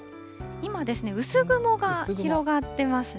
今ですね、薄雲が広がってますね。